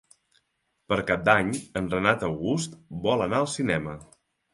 Per Cap d'Any en Renat August vol anar al cinema.